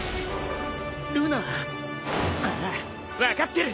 ルナああ分かってる。